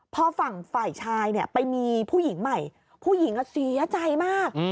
พอฝั่งฝ่ายชายเนี่ยไปมีผู้หญิงใหม่ผู้หญิงเสียใจมาก